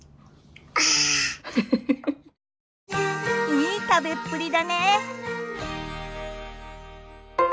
いい食べっぷりだね。